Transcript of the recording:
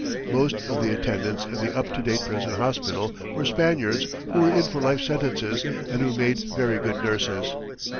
Most of the attendants in the up to date prison hospital were Spaniards who were in for life sentences and who made very good nurses.